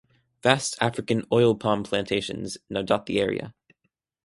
Vast African Oil Palm plantations now dot the area.